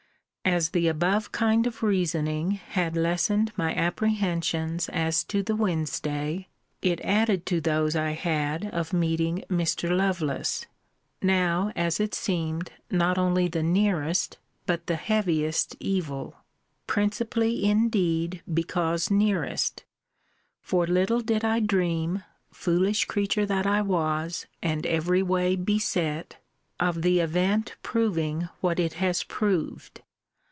As the above kind of reasoning had lessened my apprehensions as to the Wednesday, it added to those I had of meeting Mr. Lovelace now, as it seemed, not only the nearest, but the heaviest evil; principally indeed because nearest; for little did I dream (foolish creature that I was, and every way beset!) of the event proving what it has proved.